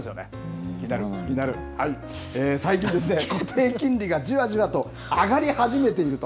最近ですね、固定金利がじわじわと上がり始めていると。